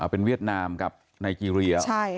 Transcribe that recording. เป็นเวียดนามกับไนเกรีย